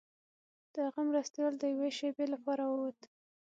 د هغه مرستیال د یوې شیبې لپاره ووت.